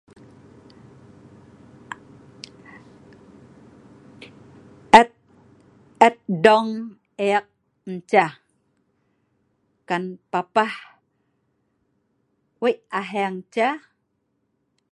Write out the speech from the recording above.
et dong e’ek ceh ken papah weik aheng ceh